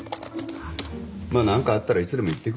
まあ何かあったらいつでも言ってくれ。